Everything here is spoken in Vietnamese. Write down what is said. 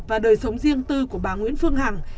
và đời sống riêng tư của bà nguyễn phương hằng